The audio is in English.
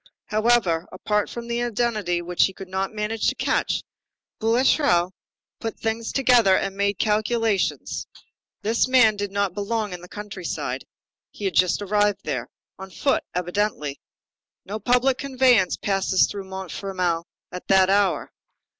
However, apart from the identity which he could not manage to catch, Boulatruelle put things together and made calculations. This man did not belong in the country side. He had just arrived there. On foot, evidently. No public conveyance passes through Montfermeil at that hour.